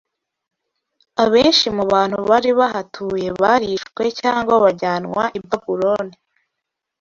Abenshi mu bantu bari bahatuye barishwe cyangwa bajyanwa i Babuloni